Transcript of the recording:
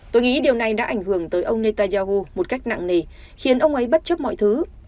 tôi nghĩ điều này đã ảnh hưởng tới ông netanyahu một cách nặng nề khiến ông ấy bất chấp mọi thứ